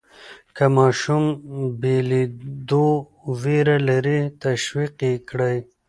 که ماشوم بېلېدو وېره لري، تشویق یې کړئ.